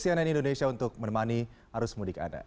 gomundi xiana indonesia untuk menemani arus mudik anda